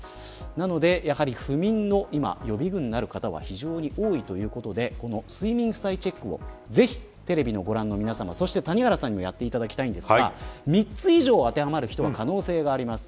なので、不眠の予備軍になる方は今、非常に多いということでこの睡眠負債チェックをぜひテレビをご覧の皆さまそして谷原さんにもやっていただきたいんですが３つ以上当てはまる人は可能性があります。